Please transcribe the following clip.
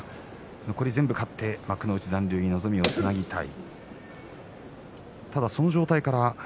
残り全部勝って幕内残留に望みをつなぎたいところです。